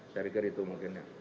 saya pikir itu mungkin ya